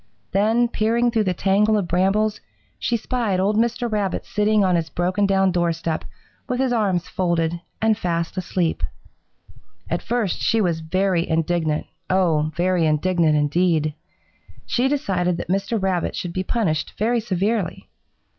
Then, peering through the tangle of brambles, she spied old Mr. Rabbit sitting on his broken down doorstep with his arms folded and fast asleep. "At first she was very indignant, oh, very indignant, indeed! She decided that Mr. Rabbit should be punished very severely.